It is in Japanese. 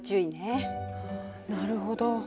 なるほど。